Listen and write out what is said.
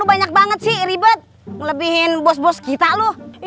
banyak banget sih ribet lebihin bos bos kita lu